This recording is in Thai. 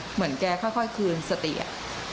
เหมือนแกค่อยคืนสติ